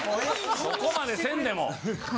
そこまでせんでも。